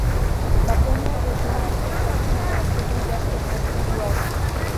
La première rejoint l'Association Est et la seconde l'Association Ouest.